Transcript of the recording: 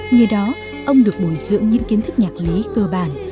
nhờ đó ông được bồi dưỡng những kiến thức nhạc lý cơ bản